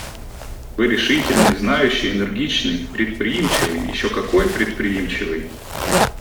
Вы решительный, знающий, энергичный, предприимчивый еще какой предприимчивый.